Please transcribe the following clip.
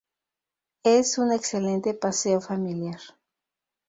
Es un excelente paseo familiar.